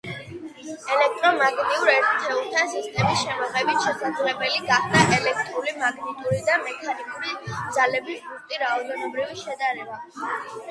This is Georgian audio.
ელექტრომაგნიტურ ერთეულთა სისტემის შემოღებით შესაძლებელი გახდა ელექტრული, მაგნიტური და მექანიკური ძალების ზუსტი რაოდენობრივი შედარება.